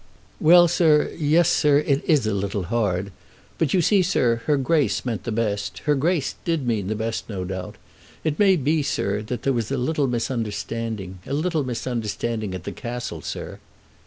"Well, sir; yes, sir; it is a little hard. But, you see, sir, her Grace meant the best. Her Grace did mean the best, no doubt. It may be, sir, there was a little misunderstanding; a little misunderstanding at the Castle, sir."